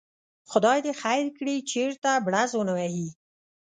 خدای دې خیر کړي، چېرته بړز ونه وهي.